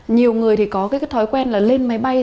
nhiều người thì có cái thói quen là lên máy bay